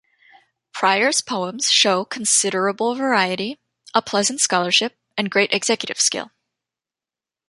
Prior's poems show considerable variety, a pleasant scholarship and great executive skill.